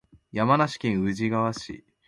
山梨県富士川町